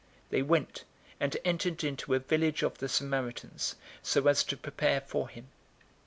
They went, and entered into a village of the Samaritans, so as to prepare for him.